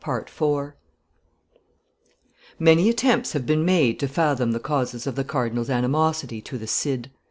335] Many attempts have been made to fathom the causes of the cardinal's animosity to the Cid.